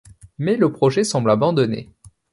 Mais le projet semble abandonné.